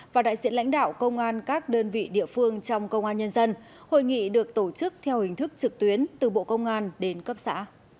và đại diện lãnh đạo công an các đơn vị địa phương trong công an nhân dân hội nghị được tổ chức theo hình thức trực tuyến từ bộ công an đến cấp xã